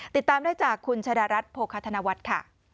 ติดตามได้จากคุณชะดารัฐโภคธนวัฒน์ค่ะ